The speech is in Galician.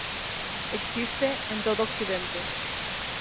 Existe en todo occidente.